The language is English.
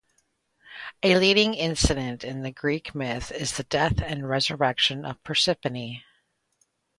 A leading incident in the Greek myth is the death and resurrection of Persephone.